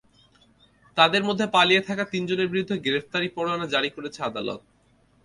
তাঁদের মধ্যে পালিয়ে থাকা তিনজনের বিরুদ্ধে গ্রেপ্তারি পরোয়ানা জারি করেছেন আদালত।